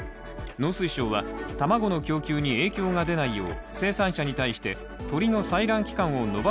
農水省は卵の供給に影響が出ないよう